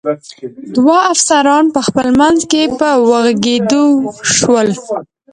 دوه افسران په خپل منځ کې په وږغېدو شول.